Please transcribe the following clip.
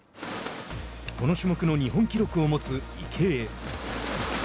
この種目の日本記録を持つ池江。